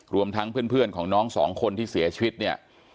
รวมทั้งเพื่อนของน้องสองคนที่เสียชีวิตเนี่ย